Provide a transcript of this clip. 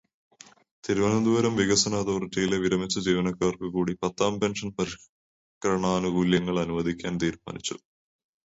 തിരുവനന്തപുരം വികസന അതോറിറ്റിയിലെ വിരമിച്ച ജീവനക്കാര്ക്കു കൂടി പത്താം പെന്ഷന് പരിഷ്കരണാനുകൂല്യങ്ങള് അനുവദിക്കാന് തീരുമാനിച്ചു.